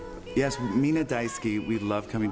みんな大好き。